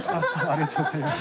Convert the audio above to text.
ありがとうございます。